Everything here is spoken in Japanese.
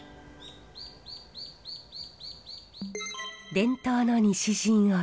伝統の西陣織。